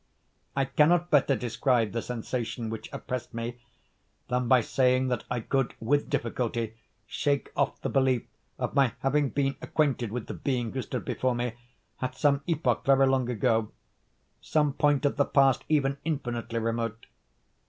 I cannot better describe the sensation which oppressed me than by saying that I could with difficulty shake off the belief of my having been acquainted with the being who stood before me, at some epoch very long ago—some point of the past even infinitely remote.